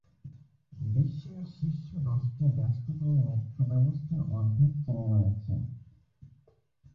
বিশ্বের শীর্ষ দশটি ব্যস্ততম মেট্রো ব্যবস্থার অর্ধেক চীনে রয়েছে।